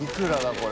これ。